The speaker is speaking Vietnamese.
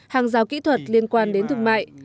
hàng rào kỹ thuật liên quan đến thương mại